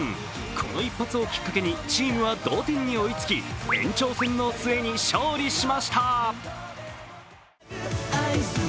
この一発をきっかけにチームは同点に追いつき延長戦の末に勝利しました。